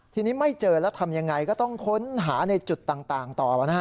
ทีนี้ไม่เจอแล้วทำยังไงก็ต้องค้นหาในจุดต่างต่อนะฮะ